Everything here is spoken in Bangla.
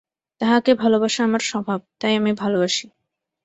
তাঁহাকে ভালবাসা আমার স্বভাব, তাই আমি ভালবাসি।